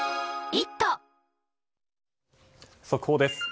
速報です。